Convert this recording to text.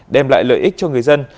đem lại lợi ích cho người dân